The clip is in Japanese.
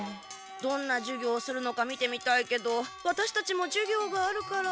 どんな授業をするのか見てみたいけどワタシたちも授業があるから。